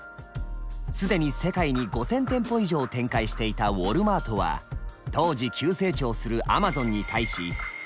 既に世界に５，０００店舗以上展開していたウォルマートは当時急成長するアマゾンに対し大きな危機感を覚え